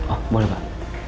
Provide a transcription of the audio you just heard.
oh boleh pak